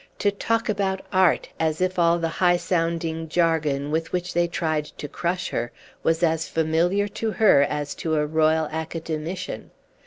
to talk about Art, as if all the high sounding jargon with which they tried to crush her was as familiar to her as to a Royal Academician.